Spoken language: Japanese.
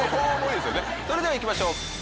それではいきましょう。